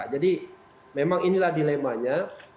jadi memang inilah dilemanya